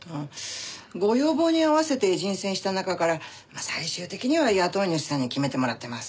ご要望に合わせて人選した中からまあ最終的には雇い主さんに決めてもらってます。